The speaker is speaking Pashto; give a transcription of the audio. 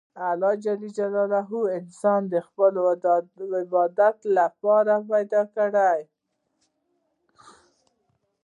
الله جل جلاله انسان د خپل عبادت له پاره پیدا کړى دئ.